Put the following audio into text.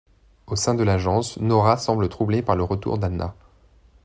Au sein de l’agence, Nora semble troublée par le retour d’Anna.